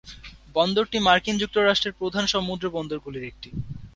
বন্দরটি মার্কিন যুক্তরাষ্ট্রের প্রধান সমুদ্র বন্দর গুলির একটি।